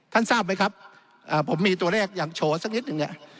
ท่านทราบไหมครับผมมีตัวแรกอย่างโชว์สักนิดหนึ่ง